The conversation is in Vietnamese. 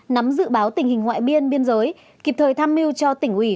nắm dự báo tình hình ngoại biên biên giới kịp thời tham mưu cho tỉnh ủy